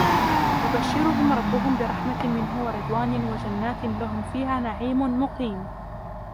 يُبَشِّرُهُمْ رَبُّهُمْ بِرَحْمَةٍ مِنْهُ وَرِضْوَانٍ وَجَنَّاتٍ لَهُمْ فِيهَا نَعِيمٌ مُقِيمٌ